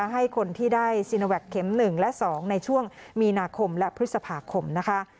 ให้คนที่ได้ซีโนแวคเข็ม๑และ๒ในช่วงมีนาคมและพฤษภาคมนะคะ